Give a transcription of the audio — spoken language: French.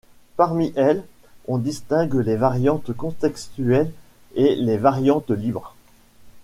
Parmi elles, on distingue les variantes contextuelles et les variantes libres.